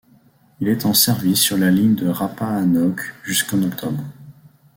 Il est en service sur la ligne de la Rappahannock jusqu'en octobre.